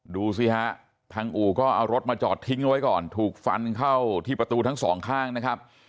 ดูสิฮะทางอู่ก็เอารถมาจอดทิ้งไว้ก่อนถูกฟันเข้าที่ประตูทั้งสองข้างนะครับ